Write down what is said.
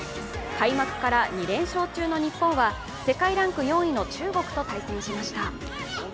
開幕から２連勝中の日本は世界ランク４位の中国と対戦しました。